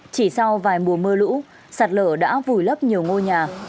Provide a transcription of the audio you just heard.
chỉ sau vài mùa mưa lũ sạt lở đã vùi lấp nhiều ngôi nhà